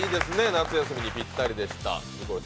夏休みにぴったりでした。